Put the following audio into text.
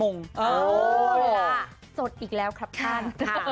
เอาล่ะจดอีกแล้วครับท่าน